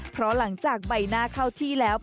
เพราะหลังจากใบหน้าเข้าที่แล้ว